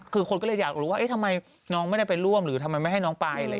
คือคนก็เลยอยากรู้ว่าทำไมน้องไม่ได้ไปร่วมหรือทำไมไม่ให้น้องไป